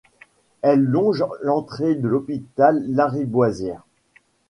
Elle longe l'entrée de l'hôpital Lariboisière.